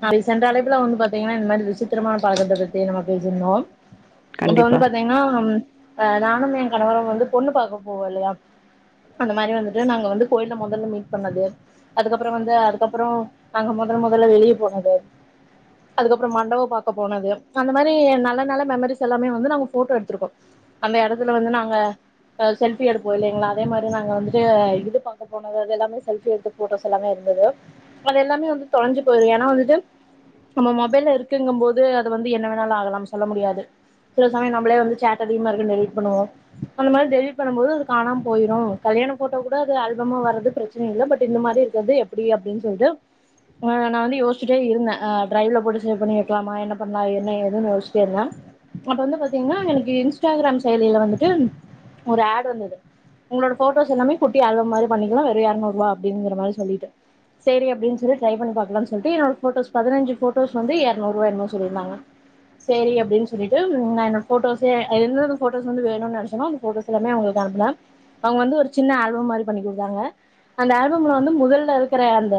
நா ரீசன்ட்டா அழைப்புலா வந்து பாத்தீங்கன்னா இந்த மாரி ரிசிப்ட் திருமண பழக்கத்த பத்தி நம்ம பேசிருந்தோ இப்ப வந்து கண்டிப்பா பாத்தீங்கன்னா அ நானு எ கணவரு வந்து பொண்ணு பாக்க போவோ இல்லயா அந்த மாரி வந்துட்டு நாங்க வந்து கோயில்ல மொதல்ல மீட் பண்ணது அதுக்கப்புறோ வந்து அதுக்கப்புறோ நாங்க மொதல் மொத ல்ல வெளிய போனது அதுக்கப்புறோ மண்டபோ பாக்க போனது அந்த மாரி நல்ல நல்ல மெமரிஸ்யெல்லாமே வந்து நாங்க ஃபோட்டோ எடுத்துருக்கோ அந்த எடத்துல வந்து நாங்க செல்ஃபி எடுப்போ இல்லைங்களா அதே மாரி நாங்க வந்துட்டு இது பாக்க போனது அது எல்லாமே செல்ஃபி எடுத்து போட்டோஸ் எல்லாமே இருந்துது அது எல்லாமே வந்து தொலஞ்சு போயிடோ ஏன்னா வந்துட்டு நம்ம மொபைல்ல இருக்குங்கும்போது அது வந்து என்ன வேணாலோ ஆகலா சொல்ல முடியாது சில சமயோ நம்பளே வந்து சேட் அதிகமா இருக்குன்னு டெலிட் பண்ணுவோ அந்த மாரி டெலிட் பண்ணும்போது அது காணாம போயிடோ கல்யாண ஃபோட்டோ கூட அது ஆல்பமா வரது பிரச்சனயில்ல பட் இந்த மாதிரி இருக்குறது எப்டி அப்டின்னு சொல்லிட்டு ஆ நா வந்து யோச்சிட்டே இருந்தே ஆ டிரைவ்ல போட்டு சேவ் பண்ணி வெக்கலாமா என்ன பண்லா என்ன ஏதுன்னு யோச்சிட்டே இருந்தே அப்போ வந்து பாத்திங்கன்னா எனக்கு இன்ஸ்டாகிராம் சயிட்ல வந்துட்டு ஒரு ஆட் வந்துது உங்களோட ஃபோட்டோஸ் எல்லாமே கூட்டி ஆல்பம் மாரி பண்ணிக்கலா வெறு எரநூறுருவா அப்டிங்குற மாரி சொல்லிட்டு செரி அப்டின்னு சொல்லிட்டு ட்ரை பண்ணி பாக்கலான்னு சொல்லிட்டு என்னோட ஃபோட்டோஸ் பதினஞ்சு ஃபோட்டோஸ் வந்து எரநூறுவா என்னமோ சொல்லிருந்தாங்க செரி அப்டின்னு சொல்லிட்டு நா என்னோட ஃபோட்டோஸே எந்த எந்த ஃபோட்டோஸ் வந்து வேணோன்னு நெனச்சேனோ அந்த ஃபோட்டோஸ் எல்லாமே அவங்களுக்கு அனுப்புனே அவங்க வந்து ஒரு சின்ன ஆல்பம் மாரி பண்ணி குடுத்தாங்க அந்த ஆல்பம்ல வந்து முதல்ல இருக்குற அந்த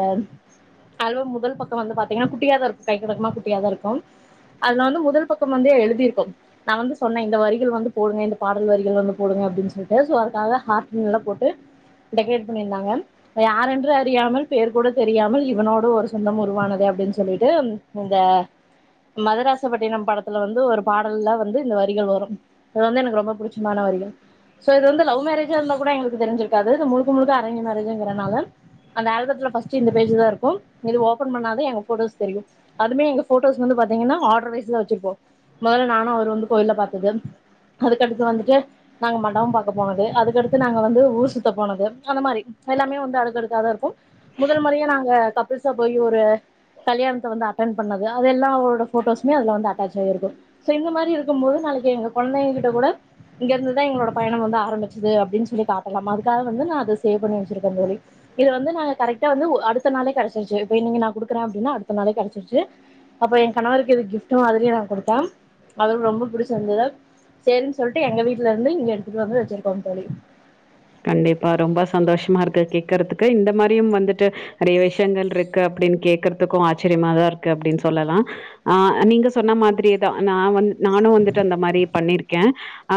ஆலபம் முதல் பக்கோ வந்து பாத்தீங்கன்னா குட்டியாதா இருக்கோ கைக்கடக்கமா குட்டியாதா இருக்கோ அதுல வந்து முதல் பக்கம் வந்து எழுதியிருக்கோ நா வந்து சொன்னே இந்த வரிகள் வந்து போடுங்க இந்த பாடல் வரிகள் வந்து போடுங்க அப்டின்னு சொல்லிட்டு சோ அதுக்காக ஹார்டின்லா போட்டு டெக்ரேட் பண்ணியிருந்தாங்க யார் என்று அறியாமல் பேர் கூட தெரி தெரியாமல் இவனோடு ஒரு சொந்தம் உருவானது அப்டின்னு சொல்லிட்டு இந்த மதராசப்பட்டினம் படத்துல வந்து ஒரு பாடல்ல வந்து இந்த வரிகள் வரோ அது வந்து எனக்கு ரொம்ப புடிச்சமான வரிகள் சோ இது வந்து லவ் மேரேஜ்ஜா இருந்தா கூட எங்களுக்கு தெரிஞ்சிருக்காது இது முழுக்க முழுக்க அரேஞ் மேரேஜ்ஜூங்குறனால அந்த ஆல்பத்துல ஃபஸ்ட் ட்டு இந்த பேஜ்தா இருக்கோ இத ஓபன் பண்ணாவே எங்க ஃபோட்டோஸ் தெரியோ அதுமே எங்க ஃபோட்டோஸ் வந்து பாத்தீங்கன்னா ஆர்டர் வைஸ்ல வெச்சிருப்போ மொதல்ல நானோ அவரோ வந்து கோயில்ல பாத்தது அதுக்கடுத்து வந்துட்டு நாங்க மண்டபோ பாக்க போனது அதுக்கடுத்து நாங்க வந்து ஊர் சுத்த போனது அந்த மாரி எல்லாமே வந்து அடுக்கடுக்காதா இருக்கோ அப்பயே நாங்க கப்புல்ஸா போயி ஒரு கல்யாணத்த வந்து அட்டென் பண்ணது அது எல்லாவோட ஃபோட்டோஸ்மே அதுல வந்து அட்டாச் ஆயிருக்கு சோ இந்த மாரி இருக்கும்போது நாளெக்கி எங்க கொழந்தைங்ககிட்ட கூட இங்கிருந்துதா எங்களோட பயணம் வந்து ஆரம்பிச்சுது அப்டின்னு சொல்லி காட்டலா அதுக்காக வந்து நா அத சேவ் பண்ணி வெச்சுருக்கே தோலி இது வந்து நாங்க கரெக்ட் டா வந்து அடுத்த நாளே கெடச்சுருச்சு இப்ப இன்னிக்கு நா குடுக்குறே அப்டின்னா அடுத்த நாளே கெடச்சுருச்சு அப்ப என் கணவருக்கு இது கிஃப்டு மாதிரி நா குடுத்தே அவருக்கு ரொம்ப புடிச்சிருந்துது சேரின்னு சொல்லிட்டு எங்க வீட்டுல இருந்து இங்க எடுத்துட்டு வந்து வெச்சிருக்கோ தோழி கண்டிப்பா ரொம்ப சந்தோஷமாயிருக்கு கேக்குறதுக்கு இந்த மாரியோ வந்துட்டு நெறைய விஷயங்கள்ருக்கு அப்டின்னு கேக்குறதுக்கோ ஆச்சரியமாதாயிருக்கு அப்டின்னு சொல்லலா ஆ நீங்க சொன்ன மாதிரியேதா நா வந்து நானோ வந்துட்டு அந்த மாரி பண்ணிருக்கே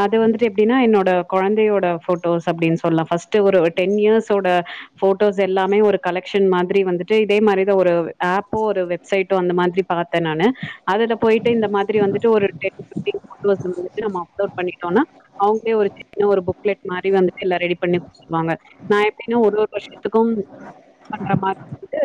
அது வந்துட்டு எப்டின்னா என்னோட கொழந்தையோட ஃபோட்டோஸ் அப்டின்னு சொல்லலா ஃபஸ்ட் ஒரு டென் இயர்ஸ் ஓட ஃபோட்டோஸ் எல்லாமே ஒரு கலெக்க்ஷன் மாதிரி வந்துட்டு இதே மாரிதா ஒரு ஆப்போ ஒரு வெப்சைட்டோ அந்த மாதிரி பார்த்தே நானு அதுல போயிட்டு இந்த மாதிரி வந்துட்டு ஒரு டென் ஃபீப்டின் ஃபோட்டோ நம்ம அப்லோட் பண்ணிட்டோம்னா அவங்களே ஒரு சின்ன ஒரு புக்லெட் மாரி வந்து எல்லா ரெடி பண்ணி குடுத்துருவாங்க நா எப்டின்னா ஒரு ஒரு வருஷத்துக்கோ பண்றா மாதிரி வந்துட்டு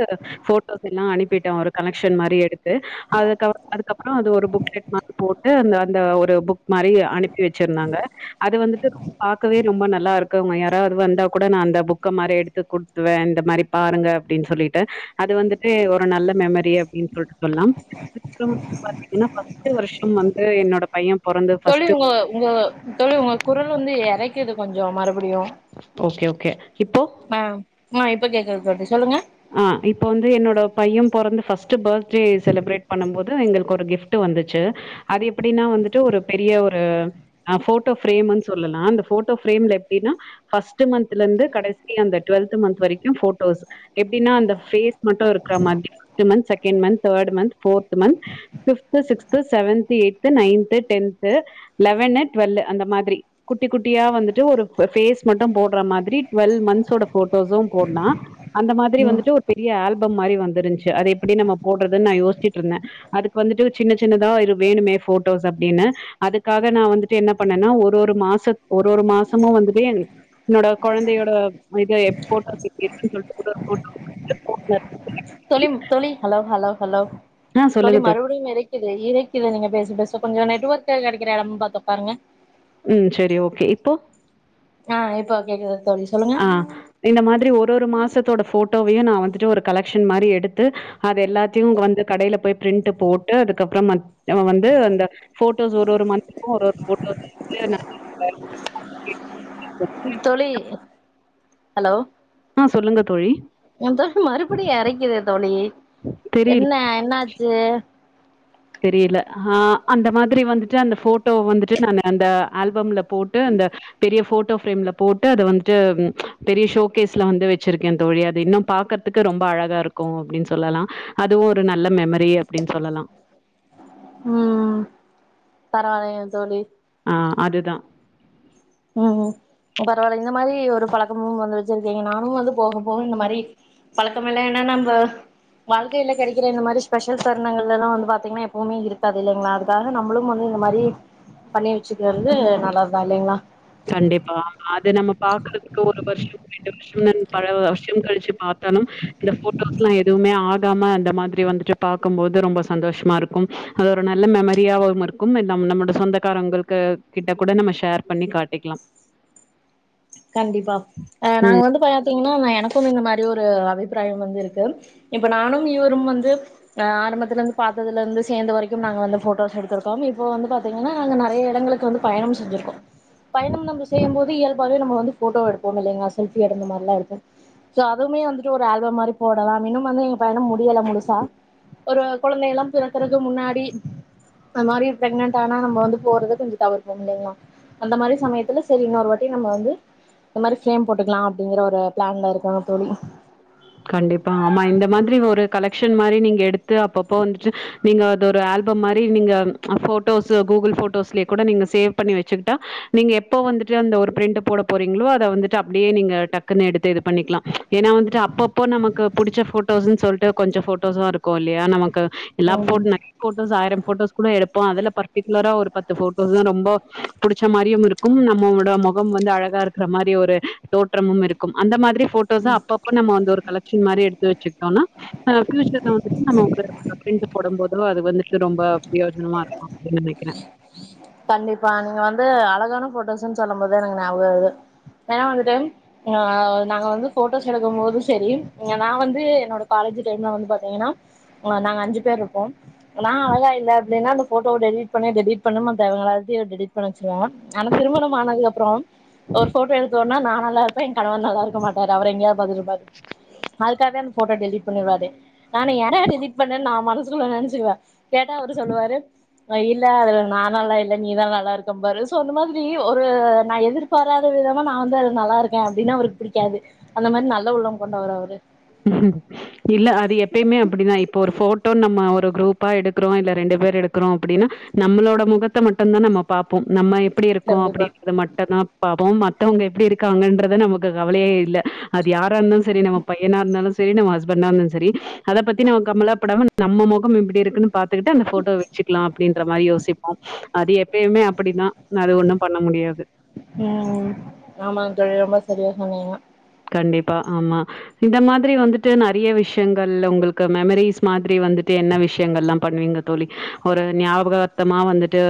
ஃபோட்டோஸ்யெல்லா அனுப்பிட்டே ஒரு கலெக்க்ஷன் மாதிரி எடுத்து அதுக்க அதுக்கப்புறோ அது ஒரு புக்லெட் மாதிரி போட்டு அந்த அந்த ஒரு புக் மாரி அனுப்பி ப்பி வெச்சிருந்தாங்க அது வந்துட்டு பாக்கவே ரொம்ப நல்லாயிரு கங்க யாராவது வந்தா கூட நா அந்த புக்க மாரி எடுத்து குடுத்துவே இந்த மாரி பாருங்க அப்டின்னு சொல்லிட்டு அது வந்துட்டு ஒரு நல்ல மெமரி அப்டின்னு போட்டு பண்ணலா இன்னோ ஒன்னு பாத்தீங்கன்னா பத்து வருஷோ வந்து என்னோட பையன் தோலி உங்க உங்க தோலி உங்க குரல் வந்து எறைக்குது கொஞ்சோ கொஞ்சோ மறுபடியும் ஓகே ஓகே இப்போ ஆ [unintelligible] இப்போ கேக்குது தோழி சொல்லுங்க ஆ இப்ப வந்து என்னோட பையன் பிறந்த பஸ்ட்ட் பர்த்டே செலிப்ரேட் பண்ணும் போது எங்களுக்கு ஒரு கிப்ட் வந்துச்சு அது எப்டின்னா வந்துட்டு ஒரு பெரிய ஒரு அ போட்டோ ப்ரேம்ன்னு சொல்லலா அந்த போட்டோ ப்ரேம்ல எப்டின்னா பர்ஸ்ட் மந்த்ல இருந்து கடைசி அந்த டுவெல்த் மந்த் வரைக்கும் போட்டோஸ் எப்டின்னா அந்த பே மட்டும் இருக்கிற மாரி first month second month third month fourth month fifth sixth seventh eighth ninth tenth eleven twelve அந்த மாரி குட்டி குட்டியா வந்துட்டு ஒரு பேஸ் மட்டும் போடுற மாதரி டுவெல் மந்த்தோட போட்டோஸும் போடலாம் அந்த மாதிரி ம் வந்துட்டு ஒரு பெரிய ஆல்பம் மாரி வந்து வந்துருச்சு அதை எப்டி நம்ம போடுறதுன்னு நா யோசிச்சட்டு இருந்தன் அதுக்கு வந்துட்டு சின்ன சின்னதா வேணுமே போட்டோஸ் அப்டின்னு அதுக்காக நா வந்துட்டு என்ன பண்ணேனா ஒரு ஒரு மாச ஒரு ஒரு மாசமும் வந்துட்டு என்னோட கொழந்தையோட இத போட்டோஸ் சொல்ட் [unintelligible] தோழி தோழி ஹலோ ஹலோ ஹலோ ஆ தோழி சொல்லுங்க மறுபடியும் ஈரைக்குது ஈரைக்குது நீங்க பேச பேச கொஞ்ச நெட் ஒர்க் கிடைக்கிற இடமா பாத்து உக்காருங்க ம் செரி ஓகே இப்போ ஆ இப்போ கேக்குது தோழி சொல்லுங்க ஆ இந்த மாதிரி ஒரு ஒரு மாசத் தோட போட்டோவையும் நா வந்துட்டு ஒரு கலெக்ஷன் மாரி எடுத்து அது எல்லாத்தையும் வந்து கடையில போய் பிரிண்ட் போட்டு அதுக்கப்றோ நா வந்து அந்த போட்டோஸ் ஒரு ஒரு மந்த்க்கும் ஒரு ஒரு போட்டோஸ் [unintelligible] தோழி ஹலோ ஆ சொல்லுங்க தோழி [unintelligible] மறுபடியும் எரைக்குது தோழி தெரியல என்ன என்னாச்சு தெரியல ஆ அந்த மாதிரி வந்துட்டு அந்த போட்டோ வந்துட்டு நா அந்த ஆல்பம்ல போட்டு அந்த பெரிய போட் போட்டோ ப்ரேம்ல போட்டு அதை வந்துட்டு பெரிய ஷோகேஸ்ல வந்து வச்சிருக்கேன் தோழி அது இன்னும் பாக்கறதுக்கு ரொம்ப அழகா இருக்கும் அப்டின்னு சொல்லலாம் அதுவும் ஒரு நல்ல மெமரி அப்டின்னு சொல்லலாம் ம் பரவாயில்லங்க தோழி ஆ அது தா ம் பரவாயில்ல இந்த மாதிரி ஒரு பழக்கமும் வந்து வச்சிருக்கீங்க நானும் வந்து போக போக இந்த மாதிரி பழக்கம் எல்லா என்னன்னா நம்ம வாழ்க்கையில கிடைக்கிற இந்த மாதிரி ஸ்பெஷல் தரணங்கள் எல்லாம் வந்து பார்த்தீங்கன்னா எப்பவுமே இருக்காது இல்லைங்களா அதுக்காக நம்மளும் வந்து இந்த மாதிரி பண்ணி வச்சுக்கிறது நல்ல [unintelligible] கண்டிப்பா அது நம்ம பாக்குறதுக்கு ஒரு வருஷமே ம் பல வருஷம் கழிச்சு பாத் தாலு இந்த ஃபோட்டோஸ்லா எதுவுமே ஆக காம அந்த மாதிரி வந்துட்டு பாக்கம்போது ரொம்ப சந்தோஷமா இருக்கு அது ஒரு நல்ல மெமரியாவு இருக்கு நம் நம்மோட சொந்தக்காரங்கள்க்கு கிட்ட கூட நம்ம ஷேர் பண்ணி காட் டிக்கலா கண்டிப்பா நாங்க வந்து பா பாத்தீங்கன்னா எனக்கும் இந்த மாதிரி ஒரு அபிப்பிராயம் வந்து இருக்கு இப்ப நானும் இவரும் வந்து ஆரம்பத்தில இருந்து பாத்ததுல இருந்து சேர்ந்த வரைக்கும் நாங்க வந்து போட்டோஸ் எடுத்திருக்கோம் இப்ப வந்து பாத்தீங்கன்னா நாங்க நிறைய இடங்களுக்கு வந்து பயணம் செஞ்சிருக்கோம் பயணம் நம்ம செய்யும் போது இயல்பாவே நம்ம வந்து ஃபோட்டோ எடுப்போ இல்லைங்களா செல்ஃபி அந்த மாரிலா எடுப்போ ஸோ அதுவுமே வந்துட்டு ஒரு ஆல்பம் மாரி போடலா இன்னு வந்து எங்க பயணம் முடியல முழுசா ஒரு குழந்தைலா பிறக்கிறதுக்கு முன்னாடி அது மாரி பிரக்னன்ட்டானா நம்ம வந்து போறத கொஞ்சோ தவிர்ப்போ இல்லேங்களா அந்த மாரி சமயத்தில சரி இன்னொரு வாட்டி நம்ம வந்து இந்த மாரி ஃப்ரேம் போட்டுக்கலா அப்டிங்கிற ஒரு பிளான்ல இருக்கோ தோழி கண்டிப்பா ஆமா இந்த மாதிரி ஒரு கலெக்ஷன் மாரி நீங்க எடுத்து அப்பப்போ வந்துட்டு நீங்க அது ஒரு ஆல்பம் மாரி நீங்க ஃபோட்டோஸு கூகுள் ஃபோட்டோஸ்லே கூட நீங்க சேவ் பண்ணி வச்சுக்கிட்டா நீங்க எப்போ வந்துட்டு அந்த ஒரு பிரிண்ட் போட போறீங்களோ அத வந்துட்டு அப்டியே நீங்க டக்குன்னு எடுத்து இது பண்ணிக்கலா ஏனா வந்துட்டு அப்ப அப் இப்போ நமக்கு பிடிச்ச ஃபோட்டோஸ்ன்னு சொல்லிட்டு கொஞ்சோ ஃபோட்டோஸ்லா இருக்கு இல்லையா நமக் க் எல்லா ம் ஃபோட் நக் ஃபோட்டோஸ் ஆயிரு ஃபோட்டோஸ் கூட எடுப்போ அதுல பர்டிகுலரா ஒரு பத்து ஃபோட்டோஸ் தா ரொம்ப புடிச்ச மாரியு இருக்கு நம்மோட முகம் வந்து அழகா இருக்கிற மாரி ஒரு தோற்றமும் இருக்கு அந்த மாதிரி அந்த மாரி ஃபோட்டோஸ அப்ப அப்ப நம்ம வந்து ஒரு சமாரி எடுத்து வச்சுக்கு எடுத்தோனா ஆ பியூச்சர்ல வந்துட்டு நம்ம ப்ரிண்ட் போடும்போது அது வந்துட்டு ரொம்ப பிரயோஜனமா இருக்கு அப்டின்னு நினைக்கிறே கண்டிப்பா நீங்க வந்து அழகான ஃபோட்டோஸுனு சொல்லும்போது எனக்கு ஞாபகோ வருது ஏன்னா வந்துட்டு அ நாங்க வந்து ஃபோட்டோஸ் எடுக்கும்போது சரி இங்க நா வந்து என்னோட காலேஜ் டைம்ல வந்து பாத்தீங்கன்னா நாங்க அஞ்சு பேர் இருப்போ நா அழகா இல்ல அப்டினா ஃபோட்டோவ டெலிட் பண்ணு டெலிட் பண்ணும [unintelligible] டெலிட் பன்ன சொல்லுவோ ஆனா திருமணம் ஆனதுக்கப்புறோ ஒரு ஃபோட்டோ எடுத்தோனா நா நல்லா இருப்பே எ கணவர் நல்லா இருக்க மாட்டாரு அவரு எங்காவ் பாத்துன்ருப்பாரு அதுக்கான்டிதா அந்த ஃபோட்டோ டெலிட் பண்ணிவாரு நா யாரா டெலிட் பண்ணானு நா மனசுகுள்ளு நெனச் சிருவே கேட்டா அவரு சொல்லுவாரு வைல அதல நா நல்லா இல்ல நீதா நல்லா இருக்கம்பாரு சோ அந்த மாதிரி ஒரு நா எதிர்பாராத விதமா நா வந்து அது நல்லா இருக்கே அப்டினா அவருக்கு பிடிக்காது அந்த மாரி நல்ல உள்ளம் கொண்டவர்ரு அவரு உ இல்ல அது எப்பயுமே அப்படிதா இப்ப ஒரு ஃபோட்டோனு நம்ம ஒரு குரூப்பா எடுக்கிறோ இல்ல ரெண்டு பேர் எடுக்கிறோ அப்டின்னா நம்மளோட முகத்த மட்டுந்தா நம்ம பாப்போ போ நம்ம எப்படி இருக்கோ கண்டிப்பா அப்டின்றத மட்டுந்தா பா போ த்தவங்க எப்டி இருக்காங்கன்றத நமக்கு கவலையே இல்ல அது யாரா இருந்தாலு சரி நம்ம பையனா இருந்தாலு சரி நம்ம ஹஸ்பண்டா இருந்தாலு சரி அத பத்தி நம்ம கமலாப்படாம நம்ம முகம் எப்டி இருக்குன்னு பாத்துக்கிட்டு அந்த ஃபோட்டோ வச்சிக்கலா அப்டின்ற மாரி யோசிப்போ அது எப்பயுமே அப்படிதா உ ஆமாங் தோழி ஆமா சரியா சொன்னீங்க கண்டிப்பா ஆமா இந்த மாதிரி வந்துட்டு நெறையா விஷயங்கள் உங்களுக்கு மெமரிஸ் மாதி த்ரி வந்துட்டு என்ன விஷயங்கள்லா பண்ணுவீங்க தோழி ஒரு ஞாபகார்தமா வந்துட்டு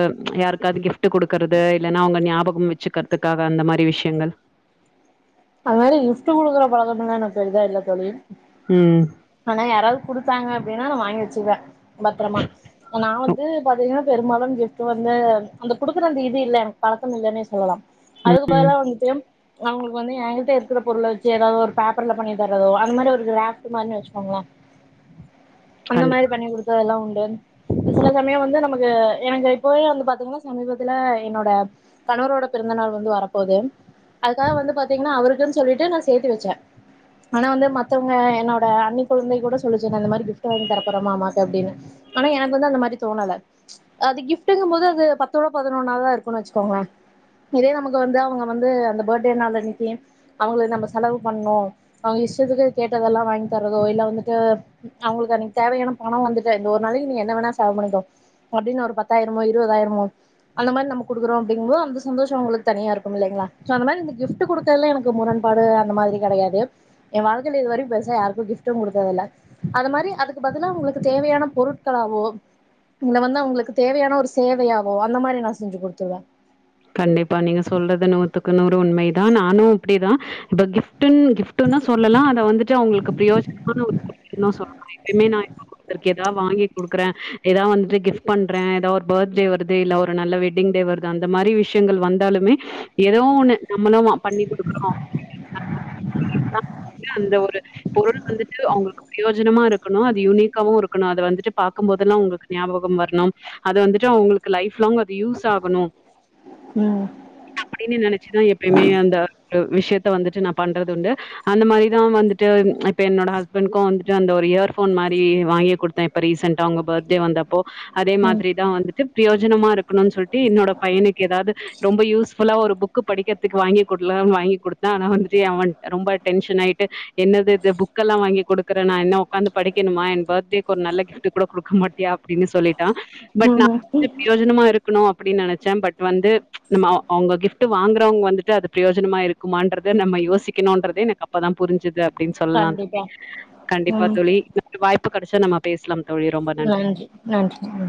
யாருக்காவது கிஃப்ட் ட்டு குடுக்குறது இல்லன்னா அவங்க ஞாபகோ பூ வெச்சு கத்துக்காக அந்த மாரி விஷ்யங்கள் அது மாரி கிஃப்ட்டு குடுக்குற பழக்கோ எல்லா எனக்கு பெரிதா இல்ல தோழி ம். ஆனா யாராவது குடுத்தாங்க அப்டின்னா நா வாங் வாங்கி வெச்சுப்ப பத்தரமா நா ஒ வந்து பாத்தீங்கன்னா பெரும்பாலு கிஃப்ட்டு வந்து அந்த குடுக்குற அந்த இது இல்ல எனக்கு பழக்கம் இல்லன்னு சொல்லலாம் அதுக்கு ம். பதிலா வன்ட்டு அவங்களுக் ஒண்ணு ஏங்கிட்ட இருக்குற பொருள வெச்சு ஏதாவது ஒரு பேப்பர்ல பண்ணி தரதோ அந்த மாரி ஒரு கிராஃப்ட்டு மாரி வெச்சுக்கோங்களே அந்த கண்டிப்பா. மாரி பண்ணி குடுத்தாதா உண்டு இ சில சமயோ வந்து நமக் எ எனக்கு இப்பவே வந்து பாத்தீங்கன்னா சமீபத்துல என்னோட கணவரோட பிறந்தநாள் வந்து வரப்போது அதுக்காக வந்து பாத் பாத்தீங்கன்னா அவருக்குன்னு சொல்லிட்டு நா சேத்து வெச்ச ஆனா வந்து மத்தவங்க என்னோட அன்னி கொழந்தை கூட சொல்லுச்சு நா இந்த மாரி கிஃப்ட் வாங்கி தர போற மாமாக்கு அப்டின்னு ஆனா எனக்கு வந்து அந்த மாரி தோணல அது கிஃப்டுங்கும் போது அது பத்தோட பதினொன்னாவாதா இருக்குன் வெச்சுக்கோங்களே இதே நமக்கு வந்து அவங்க வந்து அந்த போட்டே நாள் அன்னிக் க்கு அவுங்களுக்கு நம்ம செலவு பண்ணோ அவுங்க இஷ்டத்துக்கு கேட்டதெல்லா வாங்கி தரதோ இல்ல வந்துட்டு அவுங்களுக்கு அன்னிக்கு தேவையான பணோ வந்துட்டு இந்த ஒரு நாளைக்கு நீங்க என்ன வேணா செலவு பண்ணிக்கோ அப்டின் ஒரு பத்தாயிரமோ இருவதாயிரமோ அந்த மாரி நம்ம குடுக்குறோ அப்டிங்கும்போது அந்த சந்தோஷோ அவுங்களுக்கு தனியா இருக்கும் இல்லைங்களா அந்த மாரி கிஃப்ட கிஃப்ட் குடுறதுல எனக்கு முரண்பாடு அந்த மாதிரி கெடையாது எ வாழ்கையில இது வரைக்கு பெருசா யாருக்கு கிஃப்ட்டு குடுத்ததில்ல அது மாரி அதுக்கு பதிலா அவங்களுக்கு தேவையான பொருட்களாவோ இது வந்து அவங்களுக்கு தேவையான ஒரு சேவையாவோ அந்த மாரி நா செஞ்சு குடுத்துருவ கண்டிப்பா நீங்க சொல்றது நூத்துக்கு நூறு உண்மை இ இதா நானு இப்டிதா இப்போ கிஃப்ட்டு கிஃப்டுன்னு சொல்லலா அத வந்துட்டு அவுங்களுக்கு பிரியோஜனமான ஒரு கிஃப்ட்டுனு சொல்லலா எப்பயுமே நா இப்ப குடுத்துருக்க ஏதா வாங்கி குடுக்குற ஏதா வந்துட்டு கிஃப்ட் பண்ற ஏதா ஒரு போத்ரே வருது இல்ல ஒரு நல்ல வெட்டிங் டே வருது அந் அந்த மாரி விஷ்யங்கள் வந்தாலுமே ஏதோ ஒண்ணு நம்மளு பண்ணி குடுக்குறோ அந்த ஒரு பொருள் வந்துட்டு அவுங்களுக்கு பிரியோஜனமா இருக் இருக்கணு அது யுனிக்காவு இருக்கணு அத வந்துட்டு பாக்கும்போதெல்லா அவங்களுக்கு ஞாபகம் வரணும் அத வந்துட்டு அவங்களுக்கு லைஃப் லாங் அது யூஸ் ஆகணு ம் அப்டின்னு நெனைச்சுதா எப்பயுமே அந்த ஒரு விஷ்யத் வந்துட்டு நா பண்றது உண்டு அந்த மாரிதா வந்துட்டு இப்ப என்னோட ஹஸ்பென்ட்க்கு வந்துட்டு அந்த ஓரு ஹியர் ஃபோன் வாங்கி குடுத்த இப்ப ரிஸன்டா அவுங்க போட்டே வந்த அப் இப்போ அதே ம் மாதிரிதா வந்துட்டு பிரியோஜனமா இருக்கணுன் சொல்ட் ட்டு என்னோட பையனுக்கு ஏதாவது ரொம்ப யூஸ் யூஸ் ஃபுல்லா ஒரு புக்கு படிக்கிறதுக்கு வாங்கி குட்லான் வாங்கி குடுத்த ஆனா வந்துட்டு அவன் ரொம்ப டென்ஷன் ஆயிட்டு என்னது இது புக்கெல்லா வாங்கி குடுக் இருக்குறனா என்ன உக்காந்து படிக்கணுமா என் போத்டுடேக்கு ஒரு நல்ல கிஃப்ட்டு கூட குடுக்க மாட்டியா அப்டின்னு சொல்லிட் டா பட் ம் நா ம் பிரியோஜனமா இருக்கணு அப்டி நெனச் நெனச்ச பட் வந்து நம்ம அவங்க கிஃப்ட்டு வாங்குறவங்க வந்துட்டு அது பிரியோஜனமா இருக்குமான்றது நம்ம யோசிக்கணுன்றதே எனக்கு அப்பதா புருஞ்சுது அப்டின் சொல்லா கண்டிப்பா தோழி கண்டிப்பா ம் தோழி அடுத்த வாய்ப்பு கெடச்சா நம்ம பேசலாம் தோழி. ரொம்ப நன்றி நன்றி ம்